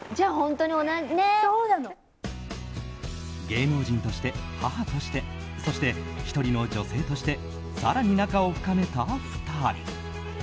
芸能人として、母としてそして、１人の女性として更に仲を深めた２人。